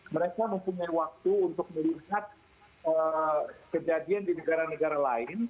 mereka mempunyai waktu untuk melihat kejadian di negara negara lain